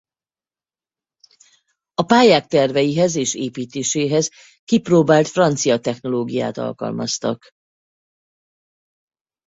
A pályák terveihez és építéséhez kipróbált francia technológiát alkalmaztak.